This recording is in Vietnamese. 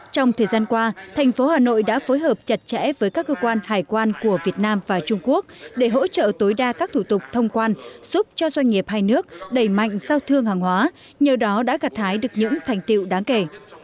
trong thời gian qua thành phố hà nội đã phối hợp chặt chẽ với các cơ quan hải quan của việt nam và trung quốc để hỗ trợ tối đa các thủ tục thông quan giúp cho doanh nghiệp hai nước đẩy mạnh giao thương hàng hóa nhờ đó đã gặt hái được những thành tiệu đáng kể